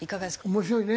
面白いね。